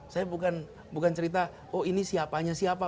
saya bukan cerita oh ini siapanya siapa